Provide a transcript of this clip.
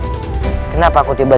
dan menemukan rai surawisesa